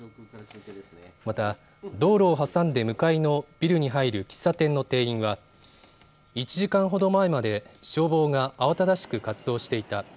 また道路を挟んで向かいのビルに入る喫茶店の店員は１時間ほど前まで消防が慌ただしく活動していた。